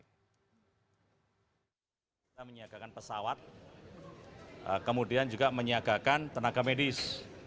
kita menyiagakan pesawat kemudian juga menyiagakan tenaga medis